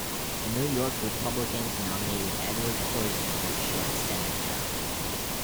New York Republicans nominated Edward Corsi for the short Senate term.